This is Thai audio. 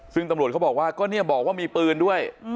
ซึ่งตำรวจเขาบอกว่าก็เนี่ยบอกว่ามีปืนด้วย